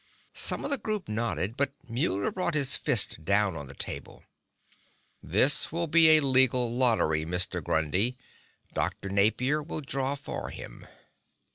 Some of both groups nodded, but Muller brought his fist down on the table. "This will be a legal lottery, Mr. Grundy. Dr. Napier will draw for him."